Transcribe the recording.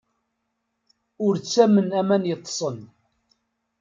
Ur ttamen aman yeṭṭsen.